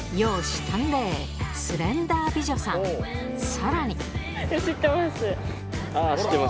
さらに！